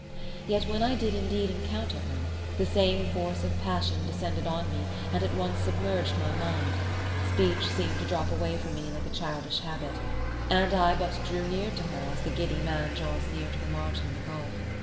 Yet when I did indeed encounter her, the same force of passion descended on me and at once submerged my mind; speech seemed to drop away from me like a childish habit; and I but drew near to her as the giddy man draws near to the margin of a gulf.